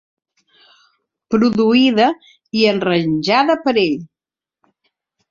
Produïda i arranjada per ell.